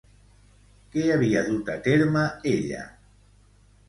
Què havia dut a terme ella?